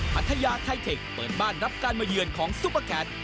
พัทยาไทเทคเปิดบ้านรับการมาเยือนของซุปเปอร์แคท